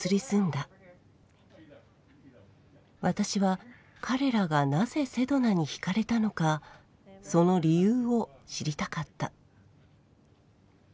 私は彼らがなぜセドナに引かれたのかその理由を知りたかった